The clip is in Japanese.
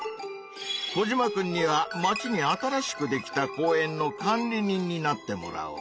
コジマくんには「町に新しくできた公園の管理人」になってもらおう。